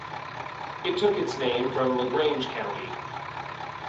It took its name from LaGrange County.